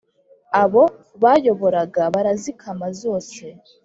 abo bayoboraga barazikama zose